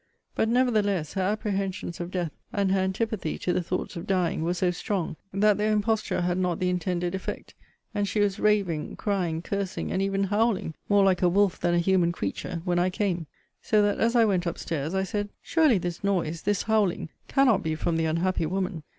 But, nevertheless, her apprehensions of death, and her antipathy to the thoughts of dying, were so strong, that their imposture had not the intended effect, and she was raving, crying, cursing, and even howling, more like a wolf than a human creature, when I came; so that as I went up stairs, I said, Surely this noise, this howling, cannot be from the unhappy woman!